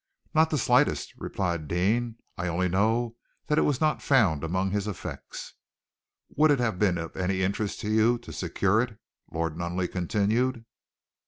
"Not the slightest," replied Deane. "I only know that it was not found among his effects." "Would it have been of any interest to you to secure it?" Lord Nunneley continued.